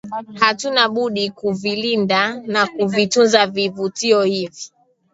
Hatuna budi kuvilinda na kuvitunza vivutio hivi